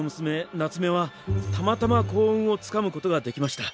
なつめはたまたま幸運をつかむことができました。